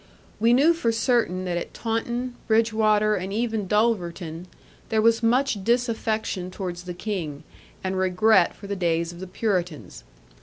We knew for certain that at Taunton, Bridgwater, and even Dulverton, there was much disaffection towards the King, and regret for the days of the Puritans.